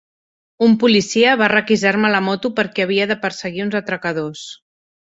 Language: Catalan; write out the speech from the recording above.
Un policia va requisar-me la moto perquè havia de perseguir uns atracadors.